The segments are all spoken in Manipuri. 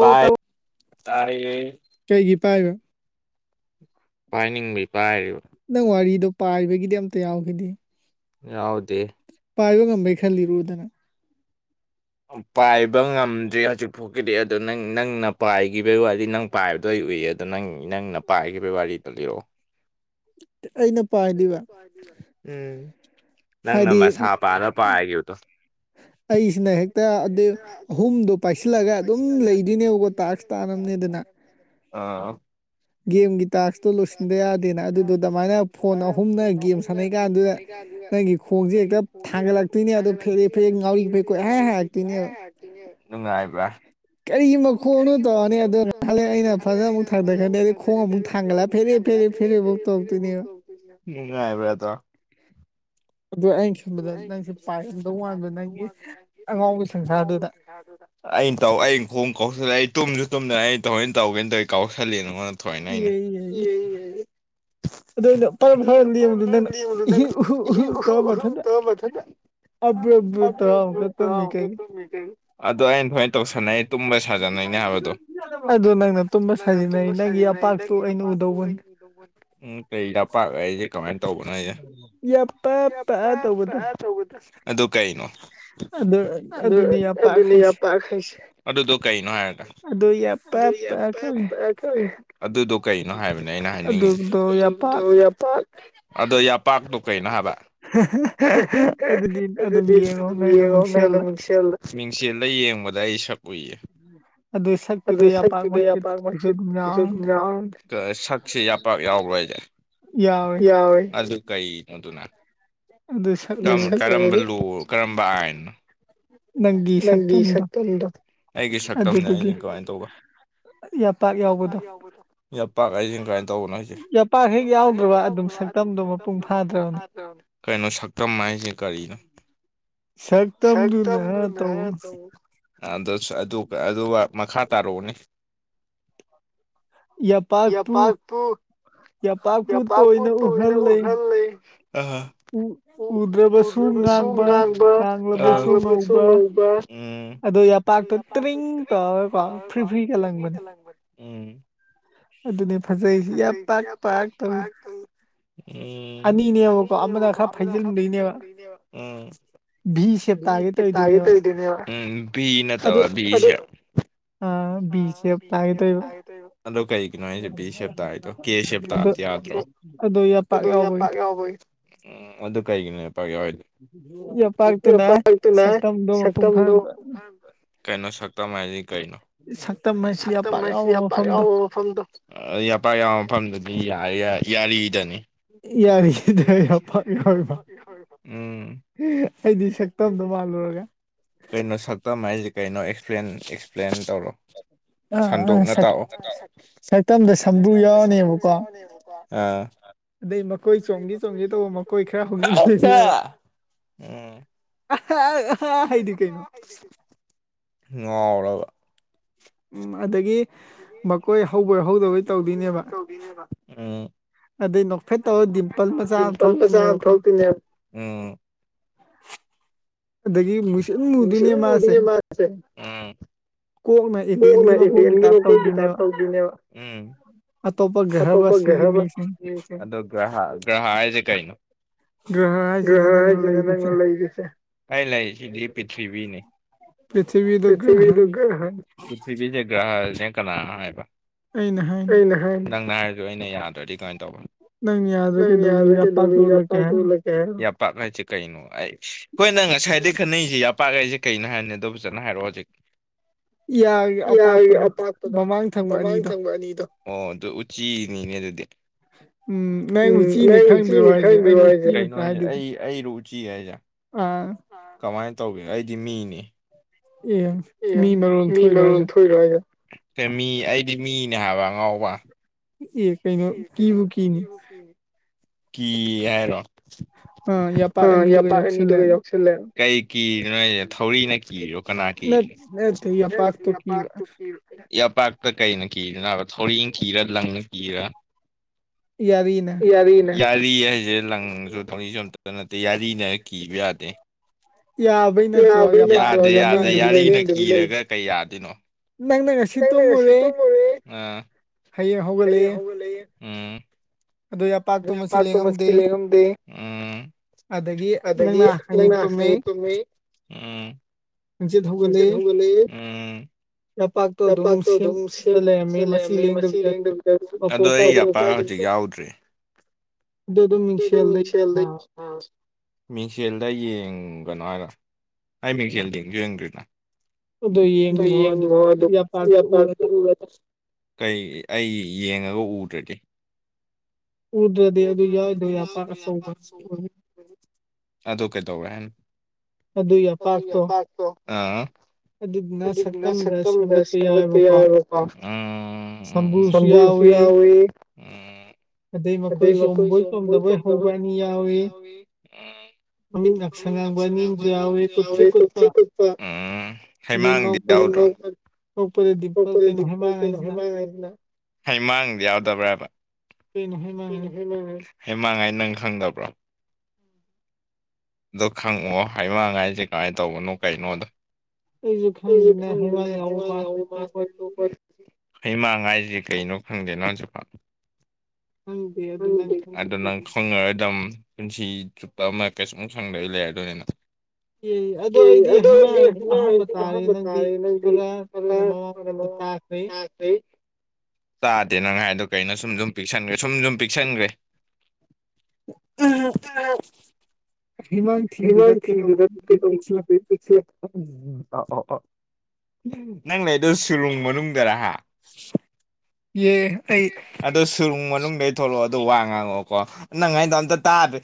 ꯇꯥꯏ ꯇꯥꯔꯦ ꯄꯥꯏꯅꯤꯡꯕꯩ ꯅꯪ ꯋꯥꯔꯤꯗꯣ ꯄꯥꯏꯕꯒꯤꯗꯤ ꯑꯝꯇ ꯌꯥꯎꯒꯤꯗꯦ ꯌꯥꯎꯗꯦ ꯄꯥꯏꯕ ꯉꯝꯕꯩ ꯈꯜꯂꯤꯔꯨꯗꯅ ꯄꯥꯏꯕ ꯉꯝꯗ꯭ꯔꯤ ꯍꯧꯖꯤꯛꯐꯥꯎꯒꯤꯗꯤ ꯑꯗꯨ ꯅꯪ ꯅꯪꯅ ꯄꯥꯏꯒꯤꯕꯩ ꯋꯥꯗꯤ ꯅꯪ ꯄꯥꯏꯕꯗꯣ ꯑꯩ ꯎꯏꯌꯦ ꯑꯗꯣ ꯅꯪ ꯅꯪꯅ ꯄꯥꯏꯒꯤꯕꯩ ꯋꯥꯔꯤꯗꯣ ꯂꯤꯔꯛꯑꯣ ꯑꯩꯅ ꯎꯝ ꯅꯪꯅ ꯃꯁꯥ ꯄꯥꯔ ꯄꯥꯏꯒꯤꯕꯗꯣ ꯑꯩꯁꯤꯅ ꯍꯦꯛꯇ ꯑꯗꯨ ꯑꯍꯨꯝꯗꯣ ꯄꯥꯏꯁꯤꯜꯂꯒ ꯑꯗꯨꯝ ꯂꯩꯗꯣꯏꯅꯦꯕꯀꯣ ꯇꯥꯛꯁ ꯇꯥꯅꯝꯅꯦ ꯑꯥ [unintelligible] ꯊ ꯂ ꯅꯨꯡꯉꯥꯏꯕ꯭ꯔ ꯀꯔꯤ ꯃꯈꯣꯡꯅꯣ ꯇꯧꯔꯅꯤ ꯑꯗꯣ ꯉꯂꯛ ꯑꯩꯅ ꯐꯖꯅ ꯑꯃꯨꯛ ꯊꯥꯡꯗꯠꯈꯅꯤ ꯑꯗꯨꯗꯩ ꯈꯣꯡ ꯑꯃꯨꯛ ꯊꯥꯡꯒꯠꯂ ꯐꯦ ꯆꯥꯡ ꯐꯔꯤ ꯐ ꯐꯕ ꯑ ꯑꯩꯅ ꯈꯟꯕꯗ ꯅꯪꯁꯦ ꯄꯥꯏꯔꯝꯗ ꯋꯥ ꯑꯩꯅ ꯇ ꯑꯩ ꯈꯣꯡ ꯀꯧꯁꯤꯜꯂꯛꯏ ꯇꯨꯝꯁꯨ ꯇꯨꯝꯗꯅ ꯑꯩ ꯊꯧꯑꯣꯏꯅ ꯇꯧꯒꯦꯅ ꯇꯧ ꯀꯥꯎꯔꯛꯁꯜꯂꯤ ꯅꯉꯣꯟꯗ ꯊꯑꯣꯏꯅ ꯑꯩꯅ [unintelligible] ꯑꯗꯨꯩꯅꯣ ꯐꯔ ꯐꯔꯝꯗꯤ ꯌꯦꯡꯕꯗꯨ ꯅꯪꯅ ꯏꯍꯨ ꯎ ꯎꯍꯨ ꯇꯧꯔꯝꯕ ꯊꯅ ꯑ ꯑꯗꯣ ꯑꯩꯅ ꯑꯗꯨꯃꯥꯏꯅ ꯇꯧꯁꯅꯩ ꯇꯨꯝꯕ ꯁꯥꯖꯅꯩꯩꯅ ꯍꯥꯏꯕꯗꯣ ꯅꯪꯅꯨꯝꯕ ꯁꯥꯖꯩ ꯅꯪꯒꯤꯄꯥꯛ ꯎꯝ ꯀꯩꯔ ꯄ ꯑꯩ ꯀꯃꯦꯟ ꯇꯧꯕꯅ ꯍꯥꯏꯁꯦ ꯑꯗꯨ ꯀꯩꯅꯣ [unintelligible] ꯑꯗꯨ ꯑꯗꯨꯅꯤ ꯌꯥꯝꯄꯥꯛꯈꯁꯦ ꯑꯗꯨꯗꯣ ꯀꯩꯅꯣ ꯍꯥꯏꯔꯗ ꯑꯗꯨꯗꯣ ꯀꯩꯅꯣ ꯍꯥꯏꯕꯅꯦ ꯑꯩꯅ ꯍꯥꯏꯅꯤꯡꯉꯤꯁꯦ ꯄꯥꯛ ꯑꯣ ꯌꯥꯄꯥꯛꯇꯣ ꯀꯩꯅꯣ ꯍꯥꯏꯕ ꯑꯗꯨ ꯑꯗꯨ ꯌꯦꯡꯉꯣ ꯅꯪꯡꯁꯂ ꯃꯤꯡꯁꯦꯜꯂ ꯌꯦꯡꯕꯗ ꯑꯩ ꯁꯛ ꯎꯨꯏꯌꯦ ꯑꯗꯨ ꯁꯗꯄꯥꯛ ꯑꯗꯨꯄꯥꯛ ꯍꯥꯏꯁꯦ ꯌꯥ ꯑꯗꯨ ꯀꯅꯣꯗꯨꯅ ꯀꯔꯝꯕ ꯂ ꯀꯔꯝꯕ ꯑꯥꯏꯟ ꯅꯪꯒꯤ ꯁꯛꯇꯝꯗꯣ ꯑꯩꯒꯤ ꯁꯛꯇꯝꯅꯦ ꯑꯩꯗꯤ ꯀꯃꯥꯏꯅ ꯇꯧꯕ ꯄꯥꯛ ꯍꯥꯏꯁ ꯀꯃꯥꯏꯅ ꯇꯧꯕꯅꯣ ꯑꯩꯁꯦ ꯆ ꯍꯦꯛ ꯌꯥꯎꯗꯕ ꯑꯗꯨ ꯃꯄꯨꯡ ꯐꯥ ꯀꯩꯅꯣ ꯁꯛꯇꯝ ꯍꯥꯏꯁꯦ ꯀꯔꯤꯅꯣ ꯁꯦ ꯃꯈꯥ ꯇꯥꯔꯛꯎꯅꯦ ꯌꯥ ꯄꯥ ꯇꯨ ꯌꯥꯝꯄꯥꯛꯄꯨꯠꯇ ꯑꯣꯏꯅ ꯎꯍꯜꯂꯦ ꯎꯗ꯭ꯔꯕꯁꯨ ꯉꯥꯡ ꯉ ꯀꯥꯡꯂꯕꯁꯨ ꯉꯧꯕ ꯑꯣ ꯌꯥꯄꯥꯛꯇꯣ ꯇꯔꯤꯡ ꯇꯧꯔ ꯄ ꯐ꯭ꯔꯤ ꯐ꯭ꯔꯤ ꯀ ꯂꯪꯕꯅꯤ ꯎꯝ ꯑꯗꯨꯅꯤ ꯐꯖꯩꯁꯤ ꯌꯥꯝ ꯄꯥꯛ ꯄꯥꯛ ꯇꯧꯏ ꯅꯤꯅꯦ ꯑꯗ ꯁ ꯍꯥꯏꯅꯦꯦꯕ ꯎꯝ ꯇꯦ ꯎꯝ ꯤ ꯅꯠꯇꯕ ꯤ ꯍꯜꯣ ꯀ ꯀꯩꯅꯣꯁꯦ ꯕꯤ ꯁꯦꯞꯇꯗꯣ ꯀꯦ ꯁꯦ ꯇꯗꯤ ꯌꯥꯗ꯭ꯔꯣ ꯎ ꯃ ꯑꯗꯨ ꯀꯩꯒꯤꯅꯦꯄꯥ ꯅꯨꯄꯤ ꯃꯄꯥꯛꯇꯨꯅ ꯁꯛꯇꯝꯗ ꯀꯩꯅꯣ ꯃꯥꯏ ꯀꯩꯅꯣ ꯁꯛꯇꯝ ꯍꯥꯏꯁꯤ ꯌꯥꯄꯥꯛ ꯌꯥꯎꯕ ꯃꯐꯝꯗꯣ ꯌꯥꯄꯥꯛ ꯌꯥꯎꯕ ꯃꯐꯝꯗꯨꯗꯤ ꯌꯥꯏ ꯌꯥꯔꯤꯗꯅꯤ ꯎꯝ ꯑꯩꯗꯤ ꯁꯛꯇꯝꯗ ꯃꯥꯜꯂꯨꯔꯒ ꯀꯩꯅꯣ ꯁꯛꯇꯝ ꯍꯥꯏꯁꯤꯦ ꯀꯩꯅꯣ ꯑꯦꯛꯁꯄ꯭ꯂꯦꯟ ꯑꯦꯛꯁꯄ꯭ꯂꯦꯟ ꯇꯧꯔꯣ ꯑꯥ ꯑꯥ ꯁꯛꯇꯝꯗ ꯁꯝꯕ꯭ꯔꯨ ꯌꯥꯎꯔꯅꯦꯕꯀꯣ ꯑꯗꯩ ꯃꯈꯣꯏ ꯆꯣꯡꯒꯦ ꯆꯣꯡꯒꯦ ꯇꯧꯕ ꯃꯈꯣꯏ ꯈꯔ ꯍꯧꯖꯤꯟ ꯂꯩꯁꯕ ꯑ ꯑꯥ ꯍꯥꯏꯗꯤ ꯀꯩꯅꯣ ꯉꯥꯎꯂꯒ ꯎꯝ ꯑꯗꯒꯤ ꯆꯅꯦ ꯄꯤꯝꯄꯜ ꯃꯆꯥ ꯑꯃ ꯊꯣꯛꯇꯣꯏꯅꯦꯕ ꯎ [inaudible] ꯏꯁ ꯃꯃꯁ ꯑꯣ ꯏꯟꯗꯤꯟꯒꯤ ꯃꯈ ꯀꯣ ꯀꯈꯤꯇꯥꯕ ꯇꯧꯗꯤꯅꯦꯕ ꯑꯇꯣꯞꯄ ꯒ꯭ꯔꯒ ꯒ꯭ꯔꯍꯥ ꯍꯥꯏꯁꯦ ꯀꯩꯅꯣ ꯆ ꯅ ꯅꯪ ꯂꯁꯦ ꯂ ꯄ꯭ꯊꯕꯤꯅꯤ ꯄ꯭ ꯄ꯭ꯔꯤꯊꯤꯕꯤꯗꯦ ꯒ꯭ꯔꯍꯅꯦ ꯀꯅꯥ ꯍꯥꯏꯕ ꯑꯅꯦ ꯍꯥꯏꯅꯦ ꯅꯪ ꯌꯥꯗꯩꯗꯀꯦ ꯄꯥꯛ ꯍꯥꯏꯁꯦ ꯀꯩꯅꯣ ꯑꯩ ꯑꯩꯈꯣꯏꯅ ꯉꯁꯥꯏꯗ ꯈꯟꯅꯩꯁꯤ ꯌꯥꯄꯥꯛ ꯍꯥꯏꯁꯦ ꯀꯩꯅꯣ ꯍꯥꯏꯅꯤ ꯐꯖꯅ ꯍꯥꯏꯔꯣꯑꯣ ꯍꯧꯖꯤꯛꯀꯤ ꯌꯥꯏꯌꯦ ꯑꯄꯥꯛꯄꯗꯣ ꯃꯃꯥꯡ ꯊꯪꯕ ꯑꯅꯤꯗꯣ ꯆꯤꯅꯤꯅꯦ ꯑꯗꯨꯗꯤ ꯎꯝ ꯅꯣꯏ ꯎꯆꯤꯅꯤ ꯈꯪꯕꯤꯨ ꯍꯥꯏꯁꯦ ꯀꯩꯅꯣ ꯍꯥꯏꯁꯦ ꯑꯩ ꯑꯩꯔꯨ ꯎꯆꯤ ꯍꯥꯏꯁꯦ ꯀꯃꯥꯏꯅ ꯇꯧꯒꯦ ꯑꯩꯗꯤ ꯃꯤꯅꯤ ꯑꯦ ꯃꯤ ꯃꯔ ꯊꯣꯏꯔꯑꯒ ꯁꯦꯃꯤ ꯑꯩꯗꯤ ꯃꯤꯅꯦ ꯍꯥꯏꯕ ꯑꯉꯥꯎꯕ ꯑꯦ ꯀꯩꯅꯣ ꯀꯤꯕꯨ ꯀꯤꯅꯤ ꯀ ꯍꯥꯏꯔꯣ [unintelligible] ꯄꯥꯛꯅꯤꯗꯨ ꯌꯥꯁꯜꯂ ꯀꯩ ꯀꯤꯔꯤ ꯅꯣꯏ ꯊꯧꯔꯤꯅ ꯀꯤꯔꯣ ꯀꯅꯥ ꯀ ꯌꯥꯄꯥꯛꯇ ꯀꯩꯅ ꯀꯤ ꯊꯧꯔꯤ ꯀꯤꯔ ꯂꯥꯡꯅ ꯀꯔ ꯌꯥ ꯌꯥꯔꯤ ꯍꯥꯏꯁꯦ ꯂꯪꯁꯨ ꯇꯧꯅꯤꯁꯨ ꯑꯝꯇ ꯅꯠꯇꯦ ꯌꯥꯔꯤꯅ ꯀꯤ ꯌꯥꯕ ꯌꯥꯗꯦ ꯌꯥꯗꯦ ꯌꯥꯗꯦ ꯌꯥꯔꯤꯅ ꯀꯤꯔꯒ ꯀꯩ ꯌꯥꯗꯣꯏꯅꯣ ꯅꯪꯪꯉ ꯁꯤꯇ ꯃꯔꯤ ꯍꯌꯦꯦ ꯍꯒꯂꯌꯦ ꯎꯝ ꯄꯥꯇ ꯃꯁꯀꯤꯜ ꯍꯗ ꯑꯗꯒꯤ ꯅꯪꯅ ꯍꯪꯉꯤꯄꯨꯝ ꯃꯤ ꯀꯁꯤ ꯊꯒ ꯂꯩꯌꯦ ꯆꯄꯥꯛ ꯑꯗꯨ ꯇꯧꯗ꯭ꯔꯦ [inaudible] ꯑꯗꯨꯁꯦꯜ ꯂꯩ ꯃꯤꯡꯁꯦꯜꯗ ꯌꯦꯡꯒꯅꯣ ꯍꯥꯏꯔ ꯑꯩ ꯃꯤꯡꯁꯦꯜ ꯌꯦꯡ ꯌꯦꯡꯗ꯭ꯔꯤꯅ ꯑꯗꯨ ꯌꯦ ꯑꯗꯨꯄ ꯇ ꯀꯩ ꯑꯩ ꯌꯦꯡꯉꯒ ꯎꯗ꯭ꯔꯗꯤꯦ ꯎꯗ꯭ꯔꯗꯤ ꯑꯗꯨ ꯌꯥꯎꯏꯗꯣꯏꯄꯥꯆꯧꯕ ꯑꯗꯨ ꯀꯩꯗꯧꯒ ꯑꯗꯨꯅ ꯁꯛꯇꯝꯗꯁꯕꯠꯇ ꯌꯥꯔꯀ ꯁꯝꯕꯨꯁꯤ ꯌꯥ ꯑꯣꯏ ꯑꯗꯃ ꯀꯣꯏ ꯁꯣ ꯀꯣꯏ ꯁꯣ ꯐ ꯄꯅꯤ ꯋ ꯎ ꯍꯩꯃꯥꯡꯗꯤ ꯌꯥꯎ ꯄꯣ ꯗ ꯄꯧ ꯅꯍꯣꯏꯃꯥꯏ ꯉꯥꯏꯗꯅ ꯍꯩ ꯃꯥꯡ ꯌꯥꯗꯕ꯭ꯔꯥꯕ ꯀꯩꯅꯣ ꯍꯩꯃꯥꯡ ꯍꯩꯃꯥꯡ ꯅꯪ ꯈꯪꯗꯕ꯭ꯔꯣ ꯑꯗꯣ ꯈꯪꯑꯣ ꯍꯩꯃꯥꯡ ꯍꯥꯏꯁꯦ ꯀꯃꯥꯟ ꯇꯧꯕꯅꯣ ꯀꯩꯅꯣꯗꯨ ꯑꯩ ꯈꯪꯕꯅꯦ ꯍꯩꯃꯥꯡ ꯌꯥꯎ ꯍꯩꯃꯥꯡ ꯍꯥꯏꯁꯦ ꯀꯩꯅꯣ ꯈꯪꯗꯦ ꯅꯪꯁꯨ ꯑꯗꯨ ꯅꯪ ꯈꯪꯉꯔꯣꯏꯗꯝ ꯄꯨꯟꯁꯤ ꯆꯨꯞꯄꯥ ꯑꯃꯥ ꯀꯩꯁꯨꯝ ꯁꯪꯗ ꯂꯩꯔꯗꯣꯏꯅꯤ ꯅꯪ ꯑꯗꯨ ꯑꯣꯏꯔꯗꯤ ꯑꯍꯥꯟꯕ ꯇꯥꯔꯦ ꯅꯪꯗꯤ ꯍꯩꯃꯥ ꯑꯣꯍꯣ ꯇꯥꯗꯦ ꯅꯪ ꯍꯥꯏꯔꯤꯗꯨ ꯀꯩꯅꯣ ꯁꯨꯝ ꯁꯨꯝ ꯄꯤꯛꯁꯟꯒ꯭ꯔꯦ ꯁꯨꯝ ꯁꯨꯝ ꯄꯤꯛꯁꯟꯒ꯭ꯔꯦ ꯑꯥꯁ ꯍꯩꯃꯥꯡ ꯊꯤꯕꯗꯥ ꯑꯝ ꯑꯥ ꯑꯣ ꯅꯪ ꯂꯩꯔꯤ ꯗꯨ ꯁꯨꯔꯨꯡ ꯃꯅꯨꯡꯗꯥꯔ ꯑꯗꯨ ꯁꯨꯔꯨꯡ ꯃꯅꯨꯡꯗꯩ ꯊꯣꯛꯂꯥꯑꯣ ꯑꯗꯣ ꯋꯥ ꯉꯥꯡꯉꯛꯑꯣꯀꯣ ꯅꯪ ꯍꯥꯏꯔꯤꯗꯨ ꯑꯃꯇꯥ ꯇꯥꯗ꯭ꯔꯦ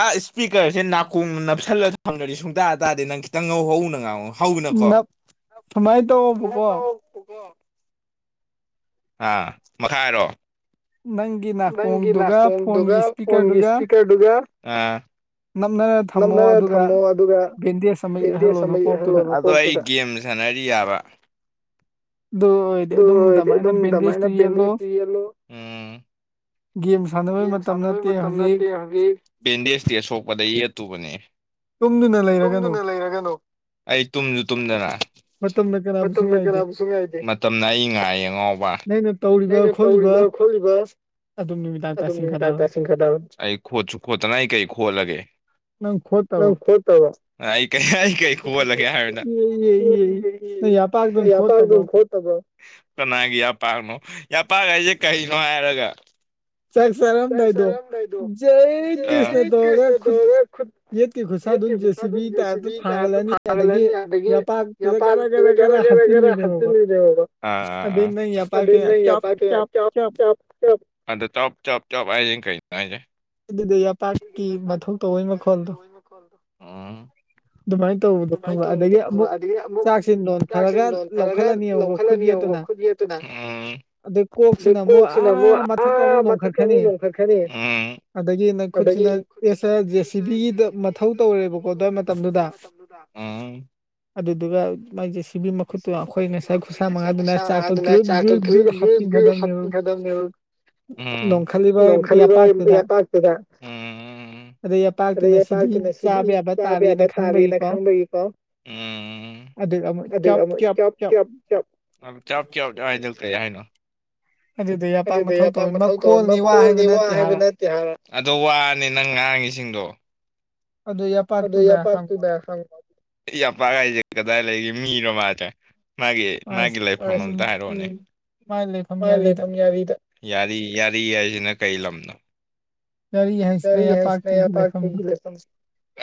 ꯑꯥꯏꯁ ꯏꯁꯄꯤꯛꯀ꯭ꯔꯁꯦ ꯅꯥꯀꯣꯡꯗ ꯅꯞꯁꯤꯜꯂꯒ ꯊꯝꯗ꯭ꯔꯗꯤ ꯁꯨꯡꯇꯥ ꯇꯥꯔꯗ꯭ꯔꯦ ꯅꯪ ꯈꯤꯇꯪ ꯍꯧꯅꯥ ꯉꯥꯡꯉꯛꯑꯣ ꯍꯧꯅꯀꯣ ꯁꯨꯃꯥꯏꯟ ꯇꯧꯑꯣꯕꯀꯣ ꯍꯥ ꯃꯈꯥ ꯍꯥꯏꯔꯛꯑꯣ ꯅꯪꯒꯤꯅꯥ ꯐꯣꯟꯗꯨꯒ ꯐꯣꯟꯒꯤ ꯏꯁꯄꯤꯛꯀ꯭ꯔꯗꯨꯒ ꯑꯥ ꯅꯞꯅꯥꯔ ꯊꯝꯃꯣ ꯑꯗꯨꯒ ꯕꯦꯟꯗꯦꯁ ꯑꯃꯥ ꯌꯦꯠꯁꯤꯂꯣ ꯅꯥꯀꯣꯛꯇ ꯑꯗꯨ ꯑꯩ ꯒꯦꯝꯁ ꯁꯥꯟꯅꯔꯤ ꯀꯔꯤꯌꯥꯕ [inaudible] ꯑꯗꯨ ꯑꯣꯏꯗꯤ ꯑꯗꯨꯝ ꯑꯗꯨꯃꯥꯏꯟꯅ ꯕꯦꯟꯗꯦꯁꯇꯤ ꯌꯦꯠꯂꯣ ꯒꯦꯝ ꯁꯥꯟꯅꯕꯩ ꯃꯇꯝ ꯅꯠꯇꯦ ꯍꯧꯖꯤꯛ ꯕꯦꯟꯗꯦꯁꯇꯤ ꯑꯁꯣꯛꯄꯥꯗ ꯌꯦꯠꯇꯧꯕꯥꯅꯦ ꯇꯨꯝꯗꯨꯅꯥ ꯂꯩꯔꯒꯅꯨ ꯑꯩ ꯇꯨꯝꯁꯨ ꯇꯨꯝꯗꯥꯅ ꯃꯇꯝꯅ ꯀꯅꯥꯕꯨꯁꯨ ꯉꯥꯏꯗꯦ ꯃꯇꯝꯅ ꯑꯩ ꯉꯥꯏ ꯑꯦ ꯑꯉꯥꯎꯕ ꯅꯩꯅ ꯇꯧꯔꯤꯗꯣ ꯑꯈꯣꯏ ꯕꯏꯁ ꯑꯗꯨꯝ ꯑꯗꯨꯝ ꯅꯨꯃꯤꯗꯥꯡ ꯇꯥꯁꯤꯟꯈ꯭ꯔꯗ ꯑꯩ ꯈꯣꯠꯁꯨ ꯈꯣꯠꯇꯅꯥ ꯑꯩ ꯀꯩ ꯈꯣꯠꯂꯒꯦ ꯅꯪ ꯈꯣꯠꯇꯕ꯭ꯔꯣ ꯑꯩ ꯀꯩ ꯈꯣꯠꯂꯒꯦ ꯍꯥꯏꯔꯣꯗꯅꯤꯗ ꯃꯇꯥꯎ ꯅꯪ ꯈꯣꯠꯇꯕ꯭ꯔꯣ ꯄꯥ ꯅꯥ ꯌꯥꯄꯥꯛ ꯌꯥꯄꯥꯛ ꯍꯥꯏꯁꯤ ꯀꯩꯅꯣ ꯍꯥꯏꯔꯒ ꯖꯩ ꯀ꯭ꯔꯤꯁꯅꯥ ꯗꯣꯂꯥ ꯈꯨꯠ ꯌꯣꯠꯀꯤ ꯃꯥꯈꯥꯗꯨ ꯖꯦꯁꯤꯄꯤ ꯇꯧꯔꯒ ꯊꯥꯡꯒꯠꯂꯅꯤ ꯑꯗꯥꯒꯤ ꯌꯥꯄꯥꯛꯇꯨ ꯒꯔꯥ ꯒꯔꯥ ꯒꯔꯥ ꯑꯥ ꯌꯥꯄꯥꯛ ꯆꯞ ꯆꯞ ꯑꯗꯣ ꯆꯞ ꯆꯞ ꯆꯞ ꯍꯥꯏꯌꯦ ꯀꯩ ꯍꯥꯏꯒꯦ ꯑꯗꯨꯗꯤ ꯌꯥꯄꯥꯛꯀꯤ ꯃꯊꯧ ꯇꯧꯕꯩ ꯃꯈꯣꯜꯗꯨ ꯑꯗꯨꯃꯥꯏꯟ ꯇꯧꯕꯗꯨ ꯑꯗꯥꯗꯒꯤ ꯑꯃꯨꯛ ꯆꯥꯛ ꯏꯁꯤꯡ ꯂꯣꯟꯊꯥꯔꯒ ꯂꯧꯈꯠꯂꯅꯤ ꯈꯨꯄꯤꯗꯨ ꯅꯥꯏ ꯑꯦ ꯑꯗꯨ ꯀꯣꯛꯁꯤꯅ ꯑꯃꯨꯛ ꯑꯥ ꯃꯊꯛꯇꯥ ꯑꯃꯨꯛ ꯅꯣꯡꯈꯠꯈ꯭ꯔꯅꯤ ꯑꯗꯥꯒꯤ ꯈꯨꯠꯁꯤꯅ ꯑꯦꯁ ꯖꯦꯁꯤꯄꯤꯒꯤꯗ ꯃꯊꯧ ꯇꯧꯔꯦꯕꯀꯣ ꯗꯥꯅ ꯗꯥ ꯃꯇꯝꯗꯨꯗ ꯆꯥꯛ ꯆꯥꯕꯀꯥꯟꯗ ꯆ꯭ꯥꯔꯁ ꯇꯧꯊꯣꯛꯎꯏꯒꯦ ꯑꯗꯨꯒ ꯍꯥꯞꯆꯤꯟꯒꯗꯥꯕꯅꯦ ꯅꯣꯡꯈꯠꯂꯒ ꯌꯥꯄꯥꯛꯇꯨꯗ ꯑꯝ ꯑꯗꯨꯒ ꯌꯥꯄꯥꯛꯇꯨꯅ ꯁꯤꯒꯤ ꯇꯥꯔꯤꯅ ꯈꯪꯅꯤꯀꯣ ꯑꯝ ꯑꯝ ꯑꯗꯩ ꯑꯃꯨꯛ ꯆꯞ ꯆꯞ ꯆꯞ ꯑꯝ ꯆꯞ ꯆꯞ ꯍꯥꯏꯗꯨ ꯀꯩ ꯍꯥꯏꯅꯣ ꯑꯗꯨꯗ ꯑꯄꯥꯛ ꯃꯊꯧ ꯇꯧꯋ ꯃꯈꯣꯅꯤ ꯋꯥ ꯍꯥꯏꯕ ꯅꯠꯇꯦ ꯍꯥꯏ ꯑꯣ ꯋꯥꯅꯤ ꯅꯪ ꯉꯥꯡꯉꯤꯁꯤꯡꯗꯣ ꯑ ꯄ ꯀꯗꯥ ꯂꯩ ꯃꯤꯔ ꯃꯥꯆꯦ ꯃꯥꯒꯤ ꯃꯥꯒꯤ ꯂꯩꯐꯝ ꯑꯝꯇ ꯍꯥꯏꯔꯛꯑꯣꯅꯦꯐꯝ ꯌꯥꯔꯤ ꯌꯥꯔꯤ ꯍꯥꯏꯁꯤꯅ ꯀꯩ ꯂꯝꯅꯣ ꯁꯔꯤ ꯏꯁꯅ ꯌꯥ ꯄꯦ ꯒꯤꯂ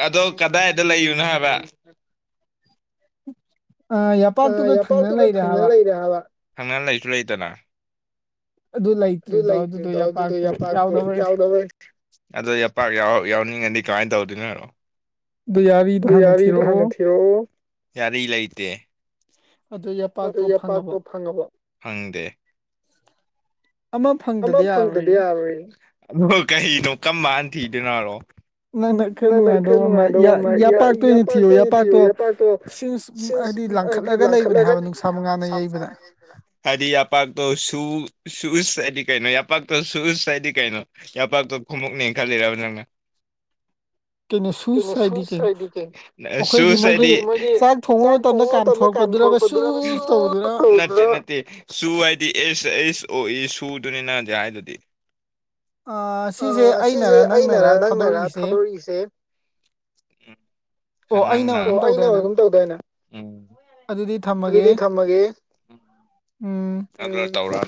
ꯑꯗꯣ ꯀꯗꯥꯏꯗ ꯂꯩꯌꯨꯅꯣ ꯍꯥꯏꯕ ꯎ ꯑ ꯌꯥꯄꯥꯛꯥꯎꯇꯨꯒ ꯊꯪꯅꯅ ꯂꯩꯔꯦ ꯍꯥꯏꯕ ꯊꯪꯅꯅ ꯂꯩꯁꯨ ꯂꯩꯇꯅ ꯑꯗꯨ ꯂꯣ ꯉꯗꯤ ꯀꯥꯏ ꯇꯧꯔꯗꯤꯅꯔꯣ ꯑꯗꯨ ꯌꯥꯔꯤꯗꯣ ꯍꯥꯟꯅ ꯊꯤꯔꯑꯣ ꯌꯥꯔꯤ ꯂꯩꯇꯦ ꯑꯩ ꯌꯥꯄꯥꯛꯇꯣ ꯐꯪꯉꯕ ꯐꯪꯗꯦ [unintelligible] ꯑꯃ ꯐꯪꯗꯗꯤ ꯌꯥꯔꯣꯏ ꯀꯅꯣ ꯀꯔꯝꯕꯥꯥꯟ ꯊꯤꯗꯅꯔꯣ ꯅꯅ ꯀ ꯅꯨꯅꯨꯡꯉꯥꯏꯗ ꯋꯥꯃꯥꯏ ꯌꯥꯄꯥꯛꯇꯣꯏꯗꯤ ꯊꯤꯌꯨ ꯌꯥꯄꯥꯛꯇꯣ ꯁꯤ ꯍꯥꯏꯗꯤ ꯂꯪꯈꯠꯂꯒ ꯂꯩꯕꯅꯦ ꯍꯥꯏꯕ ꯍꯥꯏꯗꯤ ꯑꯄꯥꯒꯗ ꯁꯨ ꯁꯨꯁꯇ ꯍꯥꯏꯗꯤ ꯀꯩꯅꯣ ꯌꯥꯄꯥꯛꯇꯣ ꯁꯨꯁꯇ ꯍꯥꯏꯗꯤ ꯀꯩꯅꯣ ꯌꯥꯄꯥꯛꯇꯣ ꯈꯣꯡꯎꯞꯅꯦ ꯈꯜꯂꯤꯔꯕ ꯅꯪꯅ [unintelligible] ꯀꯩꯅꯣ ꯁꯨꯁ ꯆꯥꯏꯗꯤ ꯀꯩꯅ ꯆꯥꯛ ꯊꯣꯡꯉꯗ ꯀꯥꯟꯊꯛꯄꯗꯨ ꯅꯠꯇꯦ ꯅꯠꯇꯦ ꯁꯨ ꯍꯥꯏꯗꯤ ꯑꯦꯁ ꯑꯩꯁ ꯑꯣꯛꯏ ꯁꯨꯗꯨꯅꯤꯅꯗꯤꯦ ꯍꯥꯏꯗꯨꯗꯤ ꯁꯤꯁꯦ ꯑꯩꯅꯔ ꯅꯪꯅꯔꯥ ꯊꯥꯗꯣꯔꯛꯏꯁꯦ ꯑꯩꯅ ꯑꯗꯨꯝ ꯇꯧꯗꯅ ꯎꯝ ꯑꯗꯨꯗꯤ ꯊꯝꯃꯒꯦ ꯇꯧꯔ